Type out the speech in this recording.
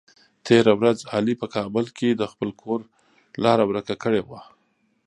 تېره ورځ علي په کابل کې د خپل کور لاره ور که کړې وه.